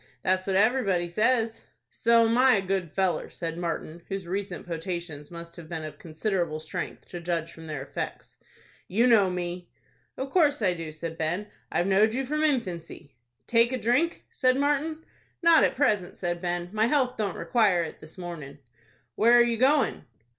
"That's what everybody says." "So'm I a good feller," said Martin, whose recent potations must have been of considerable strength, to judge from their effects. "You know me." "Of course I do," said Ben. "I've knowed you from infancy." "Take a drink?" said Martin. "Not at present," said Ben. "My health don't require it this mornin'." "Where are you going?"